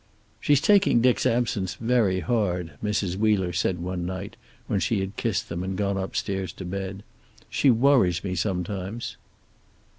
"She's taking Dick's absence very hard," Mrs. Wheeler said one night, when she had kissed them and gone upstairs to bed. "She worries me sometimes."